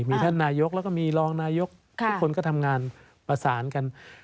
มีท่านนายกแล้วก็มีรองนายกทุกคนก็ทำงานประสานกัน